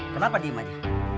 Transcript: kenapa diam aja